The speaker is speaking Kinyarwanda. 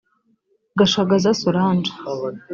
Gashagaza Solange